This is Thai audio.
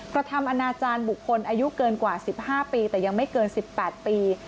กระทำอนาจารย์บุคคลอายุเกินกว่า๑๕ปีแต่ยังไม่เกิน๑๘ปี